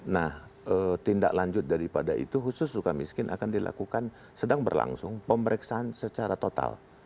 nah tindak lanjut daripada itu khusus suka miskin akan dilakukan sedang berlangsung pemeriksaan secara total